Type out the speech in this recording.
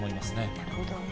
なるほど。